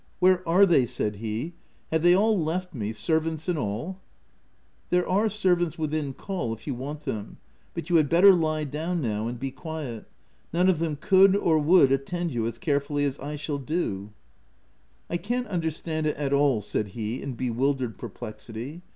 " Where are they?" said he — "have they all left me — servants and all ?"" There are servants within call, if you want them ; but you had better lie down now and be quiet : none of them could or would attend you as carefully as I shall do/' IC I can't understand it at all,'' said he, in be wildered perplexity.